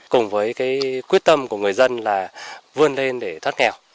cùng với quyết tâm của người dân là vươn lên để thoát nghèo